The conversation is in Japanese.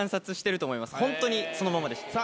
ホントにそのままでした。